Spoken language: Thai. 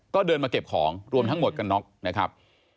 ก็เดินมาเก็บของรวมทั้งหมดกันน็อกนะครับ